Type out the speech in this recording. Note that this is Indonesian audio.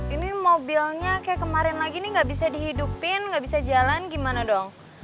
ini mobilnya kayak kemarin lagi nih gak bisa dihidupin nggak bisa jalan gimana dong